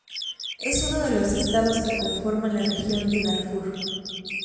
Es uno de los estados que conforman la región de Darfur.